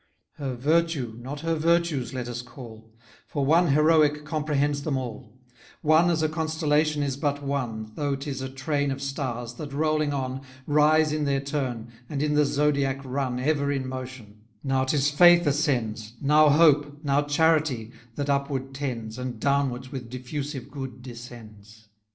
} Her virtue, not her virtues, let us call; For one heroic comprehends them all: One, as a constellation is but one, } Though 'tis a train of stars, that, rolling on, } Rise in their turn, and in the zodiac run, } Ever in motion; now 'tis faith ascends, } Now hope, now charity, that upward tends, } And downwards with diffusive good descends.